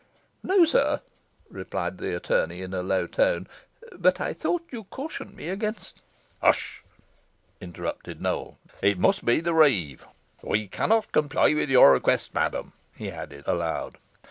"No, sir," replied the attorney, in a low tone; "but I thought you cautioned me against " "Hush!" interrupted Nowell; "it must be the reeve. We cannot comply with your request, madam," he added, aloud.